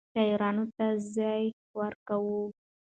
شاعرانو ته يې ځای ورکاوه.